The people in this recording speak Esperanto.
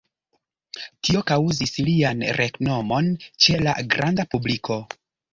Tio kaŭzis lian renomon ĉe la granda publiko.